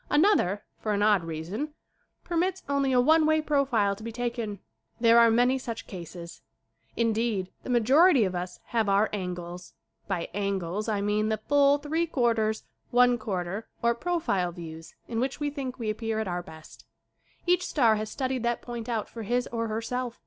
Another, for an odd reason, per mits only a one way profile to be taken. There are many such cases. Indeed, the majority of us have our "an gles." By "angles" I mean the full, three quarters, one quarter or profile views in which we think we appear at our best. Each star has studied that point out for his or herself.